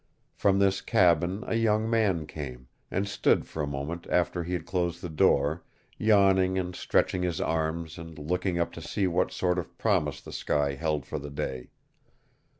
From this cabin a young man came, and stood for a moment after he had closed the door, yawning and stretching his arms and looking up to see what sort of promise the sky held for the day.